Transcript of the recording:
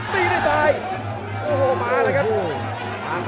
ไปที่สายโอ้โหมาแล้วครับอ้าว